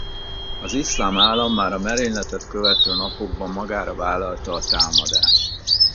Az Iszlám Állam már a merényletet követő napokban magára vállalta a támadást.